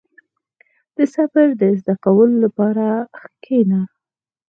• د صبر د زده کولو لپاره کښېنه.